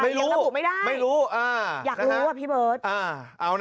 ยังระบุไม่ได้อยากรู้อ่ะพี่เบิร์ตไม่รู้ไม่รู้อ่านะฮะ